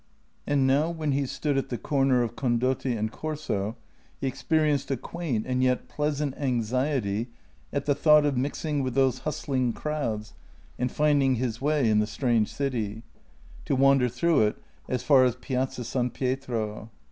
And now when he stood at the corner of Condotti and Corso he experienced a quaint and yet pleasant anxiety at the thought of mixing with those hustling crowds and finding his way in the strange city — to wander through it as far as Piazza San Pietro.